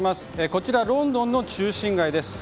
こちら、ロンドンの中心街です。